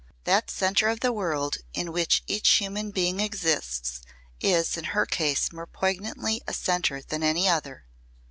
That centre of the world in which each human being exists is in her case more poignantly a centre than any other.